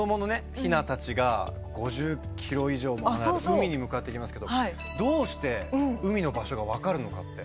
ヒナたちが５０キロ以上も離れた海に向かっていきますけどどうして海の場所が分かるのかって。